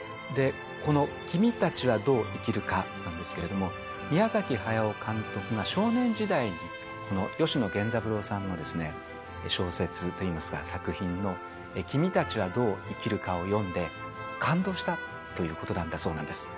この君たちはどう生きるかなんですけれども、宮崎駿監督が少年時代の吉野源三郎さんの小説といいますか、作品の君たちはどう生きるかを読んで感動したということなんだそうなんです。